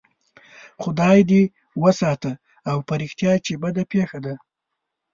خدای دې وساته او په رښتیا چې بده پېښه ده.